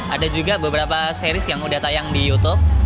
ada juga beberapa series yang udah tayang di youtube